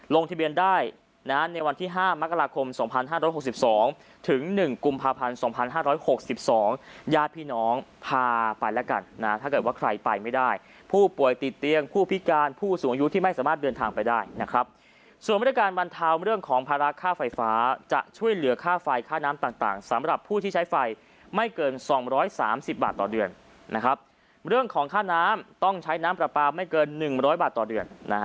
ลงทะเบียนได้นะในวันที่๕มกราคม๒๕๖๒ถึง๑กลุ่มภาพันธ์๒๕๖๒ยาพี่น้องพาไปแล้วกันนะถ้าเกิดว่าใครไปไม่ได้ผู้ป่วยติดเตียงผู้พิการผู้สูงอายุที่ไม่สามารถเดินทางไปได้นะครับส่วนวิธีการบรรเทาเรื่องของภาระค่าไฟฟ้าจะช่วยเหลือค่าไฟค่าน้ำต่างสำหรับผู้ที่ใช้ไฟไม่เกิน๒๓๐บาทต่อเด